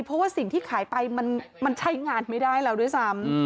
เพราะว่าสิ่งที่ขายไปมันใช้งานไม่ได้แล้วด้วยซ้ำ